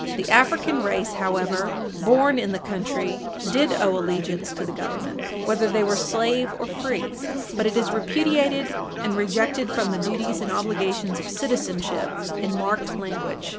The African race, however, born in the country, did owe allegiance to the Government, whether they were slave or free, but it is repudiated, and rejected from the duties and obligations of citizenship in marked language.